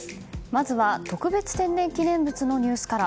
まずは特別天然記念物のニュースから。